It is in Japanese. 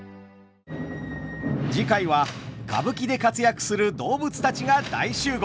次回は歌舞伎で活躍する動物たちが大集合！